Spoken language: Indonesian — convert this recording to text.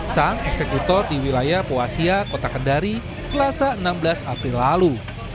sang eksekutor di wilayah poasia kota kendari selasa enam belas april lalu